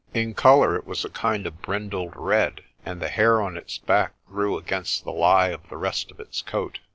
In colour it was a kind of brindled red, and the hair on its back grew against the lie of the rest of its coat.